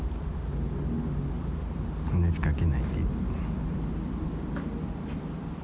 話しかけないで。